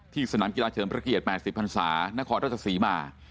ที่สนามกีฬาเชิงประเทศ๘๐พรรษานครต้อมสีบ่า